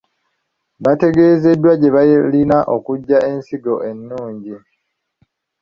Bategezeddwa gye balina okugya ensigo ennungi.